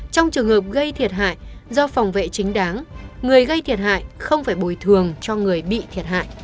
trong trường hợp gây thiệt hại do phòng vệ chính đáng người gây thiệt hại không phải bồi thường cho người bị thiệt hại